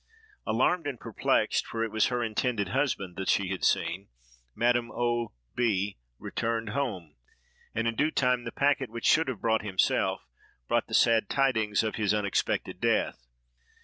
Alarmed and perplexed—for it was her intended husband that she had seen—Madame O—— B—— returned home; and in due time the packet which should have brought himself, brought the sad tidings of his unexpected death.